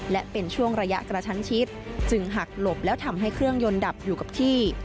และเป็นช่วงระยะกระชั้นชิดจึงหักหลบแล้วทำให้เครื่องยนต์ดับอยู่กับที่